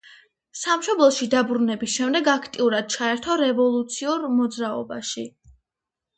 სამშობლოში დაბრუნების შემდეგ აქტიურად ჩაერთო რევოლუციურ მოძრაობაში.